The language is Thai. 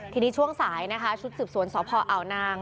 ทีนี้ช่วงสายนะคะชุดสืบสวนสพอาวนาง